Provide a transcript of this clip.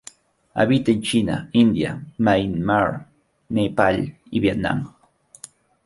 Habita en China, India, Myanmar, Nepal y Vietnam.